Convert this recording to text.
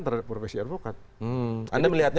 terhadap profesi advokat anda melihatnya